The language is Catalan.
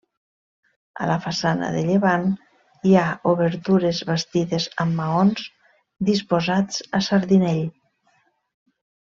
A la façana de llevant hi ha obertures bastides amb maons disposats a sardinell.